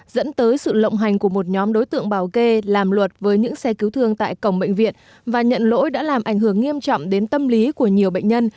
dẫn tới sự lộng hành của một nhóm đối tượng bảo kê làm luật với những xe cứu thương tại cổng bệnh viện và nhận lỗi đã làm ảnh hưởng nghiêm trọng đến tâm lý của nhiều bệnh nhân